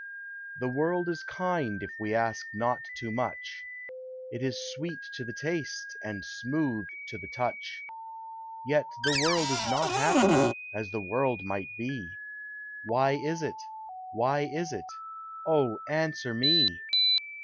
The world is kind if we ask not too much; It is sweet to the taste, and smooth to the touch; Yet the world is not happy, as the world might be, Why is it? why is it? Oh, answer me!